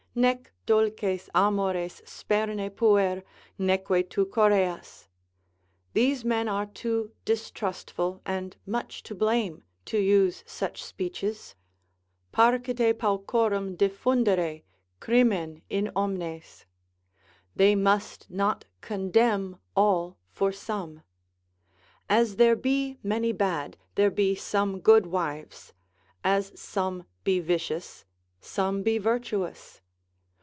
Nec dulces amores sperne puer, neque tu choreas; these men are too distrustful and much to blame, to use such speeches, Parcite paucorum diffundere, crimen in omnes. They must not condemn all for some. As there be many bad, there be some good wives; as some be vicious, some be virtuous.